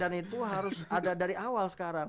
dan itu harus ada dari awal sekarang